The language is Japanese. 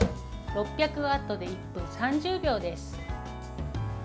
６００ワットで１分３０秒です。